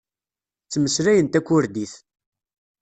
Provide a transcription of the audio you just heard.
Ttmeslayen takurdit.